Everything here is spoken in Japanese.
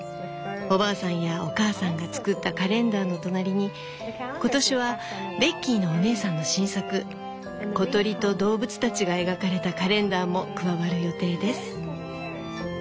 おばあさんやおかあさんが作ったカレンダーの隣に今年はベッキーのお姉さんの新作小鳥と動物たちが描かれたカレンダーも加わる予定です」。